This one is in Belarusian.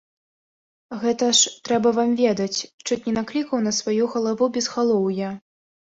Гэта ж, трэба вам ведаць, чуць не наклікаў на сваю галаву безгалоўя.